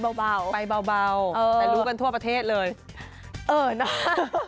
เบาไปเบาแต่รู้กันทั่วประเทศเลยเออนะคะ